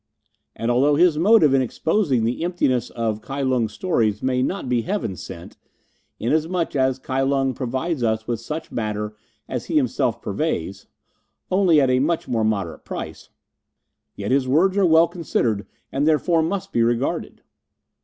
And although his motive in exposing the emptiness of Kai Lung's stories may not be Heaven sent inasmuch as Kai Lung provides us with such matter as he himself purveys, only at a much more moderate price yet his words are well considered, and must therefore be regarded."